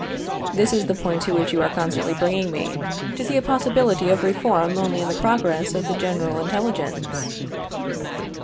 This is the point to which you are constantly bringing me to see a possibility of reform only in the progress of the general intelligence.